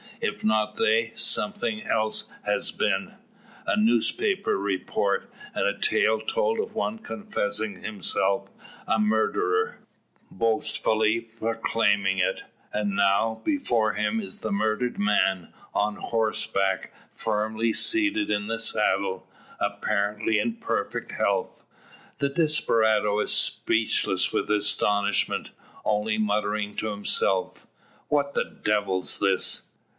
If not they, something else has been a newspaper report, and a tale told by one confessing himself a murderer, boastfully proclaiming it. And now, before him is the murdered man, on horseback, firmly seated in the saddle, apparently in perfect health! The desperado is speechless with astonishment only muttering to himself: "What the devil's this?"